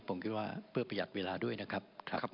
ผมคิดว่าเพื่อประหยัดเวลาด้วยนะครับ